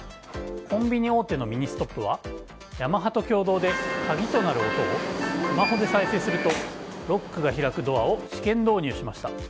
コンビニ大手のミニストップはヤマハと共同で鍵となる音をスマホで再生するとロックが開くドアを試験導入しました。